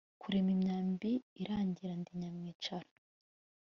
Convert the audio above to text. kurema imyambi irangira ndi nyamwicara